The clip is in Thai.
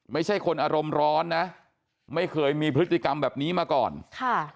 ไม่ใช่คนอารมณ์ร้อนนะไม่เคยมีพฤติกรรมแบบนี้มาก่อนค่ะ